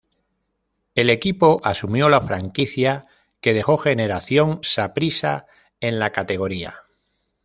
El equipo asumió la franquicia que dejó Generación Saprissa en la categoría.